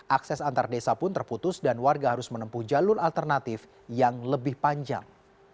akses antar desa pun terputus dan warga harus menempuh jalur alternatif yang lebih panjang